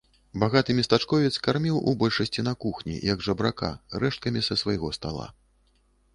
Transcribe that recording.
Багаты местачковец карміў у большасці на кухні, як жабрака, рэшткамі са свайго стала.